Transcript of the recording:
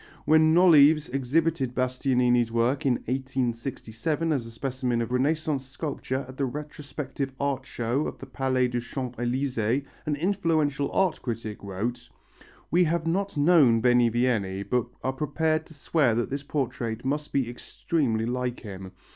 When Nolives exhibited Bastianini's work in 1867 as a specimen of Renaissance sculpture at the Retrospective Art Show of the Palais des Champs Élysées, an influential art critic wrote: "We have not known Benivieni, but are prepared to swear that this portrait must be extremely like him.